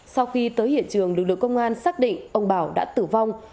sau khi tới hiện trường lực lượng công an xác định ông bảo đã tử vong